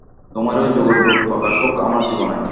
তোমারই যুগল-রূপ প্রকাশ হোক আমার জীবনে।